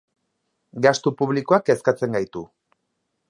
Gastu publikoak kezkatzen gaitu.